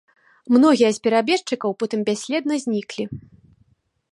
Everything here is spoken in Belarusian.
Многія з перабежчыкаў потым бясследна зніклі.